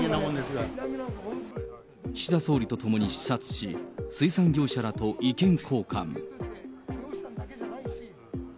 岸田総理と共に視察し、水産業者らと意見交換。